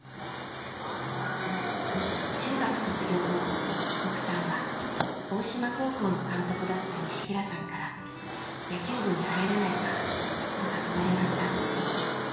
中学卒業後奥さんは大島高校の監督だった西平さんから野球部に入らないかと誘われました。